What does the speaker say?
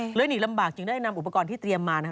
เหลือนิลับบากถึงได้นำอุปกรณ์ที่เตรียมมานะฮะ